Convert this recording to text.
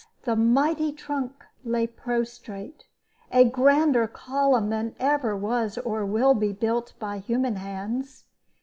the mighty trunk lay prostrate a grander column than ever was or will be built by human hands.